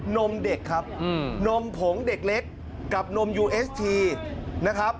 นมเด็กครับนมผงเด็กเล็กกับนมยูเอสทีนะครับ